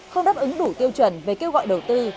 không đáp ứng đủ tiêu chuẩn về kêu gọi đầu tư